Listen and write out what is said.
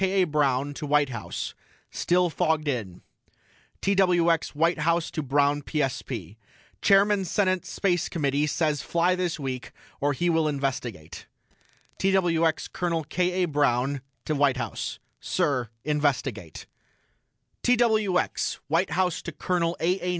A. BROWN TO WHITE HOUSE: STILL FOGGED IN TWX WHITE HOUSE TO BROWN PSP: CHAIRMAN SENATE SPACE COMMITTEE SAYS FLY THIS WEEK OR HE WILL INVESTIGATE TWX COL. K. A. BROWN TO WHITE HOUSE: SIR INVESTIGATE TWX WHITE HOUSE TO COL. A. A.